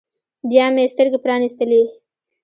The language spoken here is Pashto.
بيا مې سترګې پرانيستلې.